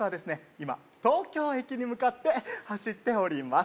今東京駅に向かって走っております